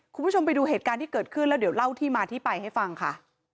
คุณผู้ชมไปดูเหตุการณ์ที่เกิดขึ้นแล้วเดี๋ยวเล่าที่มาที่ไปให้ฟังค่ะ